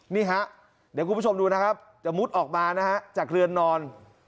นี่ฮะเดี๋ยวคุณผู้ชมดูนะครับจะมุดออกมานะฮะจากเรือนนอน